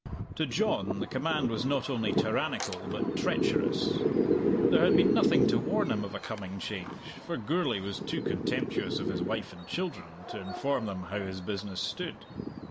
To John the command was not only tyrannical, but treacherous. There had been nothing to warn him of a coming change, for Gourlay was too contemptuous of his wife and children to inform them how his business stood.